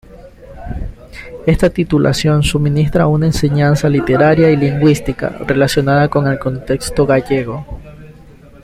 Esta titulación suministra una enseñanza literaria y lingüística relacionada con el contexto gallego.